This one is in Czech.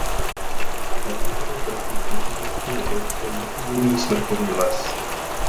Na území krasu v současnosti roste nepůvodní smrkový les.